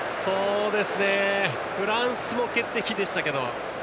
フランスも決定的でしたけど。